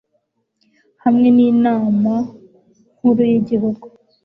hamwe n'inama nkuru y'igihugu